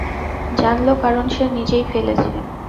জানল, কারণ সে নিজেই ফেলেছে।